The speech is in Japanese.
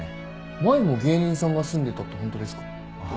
前も芸人さんが住んでたってホントですか？